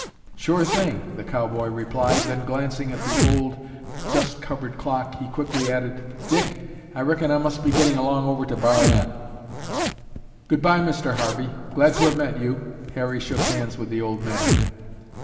"Sure thing!" the cowboy replied, then glancing at the old dust covered clock, he quickly added, "Dick, I reckon I must be getting along over to Bar N." "Goodbye, Mr. Harvey. Glad to have met you." Harry shook hands with the old man.